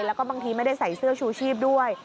แล้วก็บางทีไม่ได้ใส่เสื้อชูชีพด้วย